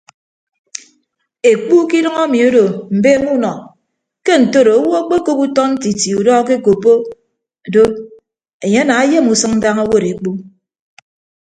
Ekpu ke idʌñ emi odo mbeeñe unọ ke ntoro owo akpekop utọ ntiti udọ akekoppo do enye ana ayem usʌñ daña owod ekpu.